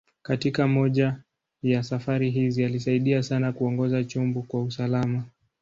Katika moja ya safari hizi, alisaidia sana kuongoza chombo kwa usalama.